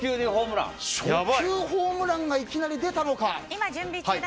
初球ホームランがいきなり出たのか。